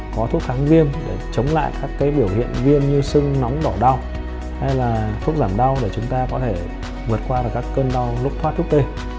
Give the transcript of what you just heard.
có thuốc kháng viêm để chống lại các biểu hiện viêm như sưng nóng đỏ đau hay là thuốc giảm đau để chúng ta có thể vượt qua được các cơn đau lúc thoát thuốc tê